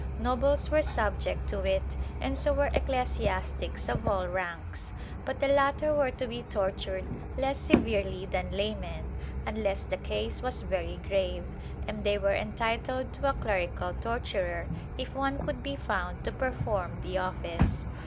Nobles were subject to it and so were ecclesiastics of all ranks, but the latter were to be tortured less severely than laymen, unless the case was very grave, and they were entitled to a clerical torturer if one could be found to perform the office.